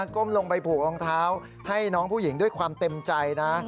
ก้มลงไปผูกรองเท้าให้น้องผู้หญิงด้วยความเต็มใจนะ